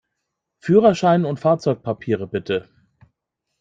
Führerschein und Fahrzeugpapiere, bitte!